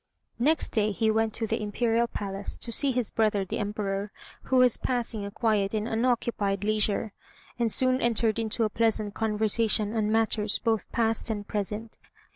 Next day he went to the Imperial Palace, to see his brother the Emperor, who was passing a quiet and unoccupied leisure, and soon entered into a pleasant conversation on matters both past and present.